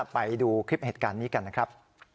ไปดูคลิปเหตุการณ์นี้กันนะครับ